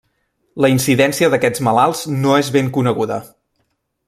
La incidència d'aquests malalts no és ben coneguda.